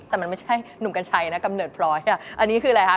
แต่มันไม่ใช่หนุ่มกัญชัยนะกำเนิดพร้อยอันนี้คืออะไรคะ